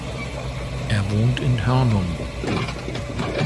Er wohnt in Hörnum.